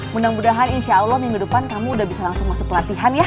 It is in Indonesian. mudah mudahan insya allah minggu depan kamu udah bisa langsung masuk pelatihan ya